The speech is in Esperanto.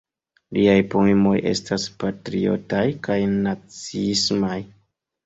Liaj poemoj estas patriotaj kaj naciismaj.